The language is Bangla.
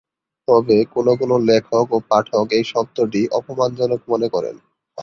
তবে কোনো কোনো লেখক ও পাঠক এই শব্দটি অপমানজনক মনে করেন।